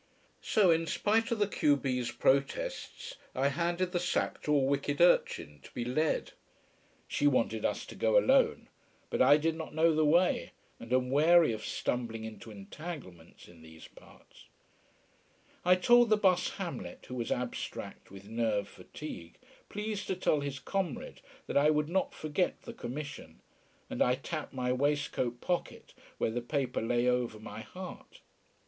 So, in spite of the q b's protests, I handed the sack to a wicked urchin, to be led. She wanted us to go alone but I did not know the way, and am wary of stumbling into entanglements in these parts. I told the bus Hamlet, who was abstract with nerve fatigue, please to tell his comrade that I would not forget the commission: and I tapped my waistcoat pocket, where the paper lay over my heart.